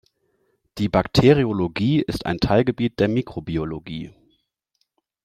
Die Bakteriologie ist ein Teilgebiet der Mikrobiologie.